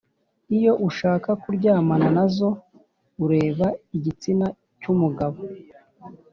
Iyo ushaka kuryamana na zo ureba igitsina cy’umugabo